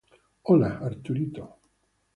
Hola Arturito